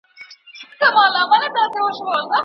را ټینګ کړي مي په نظم هم دا مځکه اسمانونه